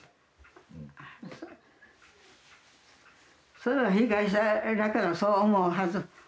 それは被害者だからそう思うはず。